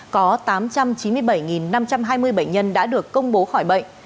có tám trăm chín mươi bảy năm trăm hai mươi bệnh nhân đã được công bố khỏi bệnh